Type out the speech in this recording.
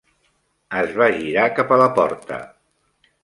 Es va girar cap a la porta.